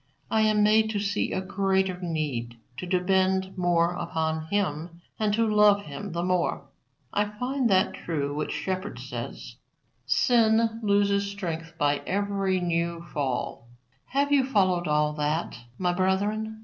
I am made to see a greater need to depend more upon Him and to love Him the more. I find that true which Shepard says, 'sin loses strength by every new fall.'" Have you followed all that, my brethren?